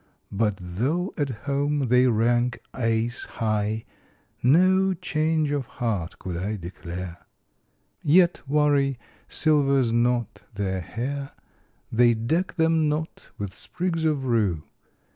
But though at home they rank ace high, No change of heart could I declare. Yet worry silvers not their hair; They deck them not with sprigs of rue.